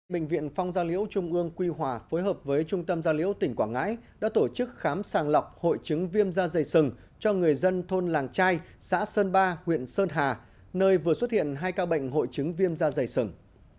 bệnh viện phong gia liễu trung ương quy hòa phối hợp với trung tâm gia liễu tỉnh quảng ngãi đã tổ chức khám sàng lọc hội chứng viêm da dày sừng cho người dân thôn làng trai xã sơn ba huyện sơn hà nơi vừa xuất hiện hai ca bệnh hội chứng viêm da dày sừng